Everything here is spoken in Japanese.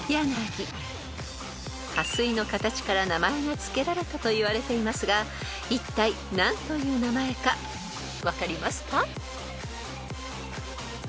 ［花穂の形から名前が付けられたといわれていますがいったい何という名前か分かりますか？］